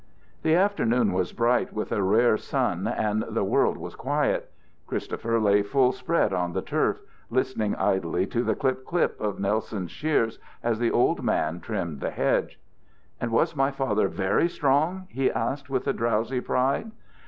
The afternoon was bright with a rare sun and the world was quiet. Christopher lay full spread on the turf, listening idly to the "clip clip" of Nelson's shears as the old man trimmed the hedge. "And was my father very strong?" he asked with a drowsy pride.